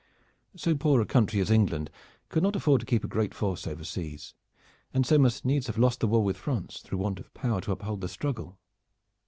So poor a country as England could not afford to keep a great force overseas, and so must needs have lost the war with France through want of power to uphold the struggle.